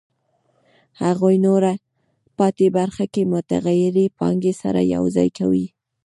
هغه نوره پاتې برخه له متغیرې پانګې سره یوځای کوي